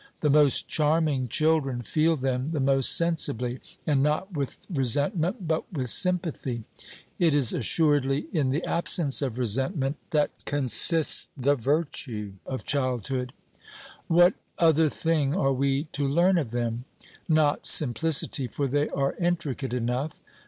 The most charming children feel them the most sensibly, and not with resentment but with sympathy. It is assuredly in the absence of resentment that consists the virtue of childhood. What other thing are we to learn of them? Not simplicity, for they are intricate enough.